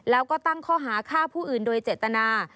แล้วก็ตั้งข้อหาฆ่าผู้อื่นโดยเจตนา